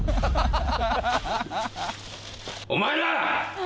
お前ら！